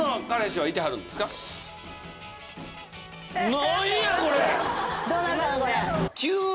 何やこれ！